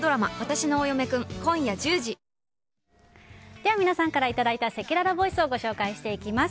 では、皆さんからいただいたせきららボイスをご紹介していきます。